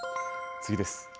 次です。